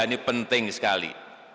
ini penting sekali